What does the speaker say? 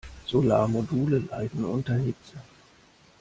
Solarmodule leiden unter Hitze.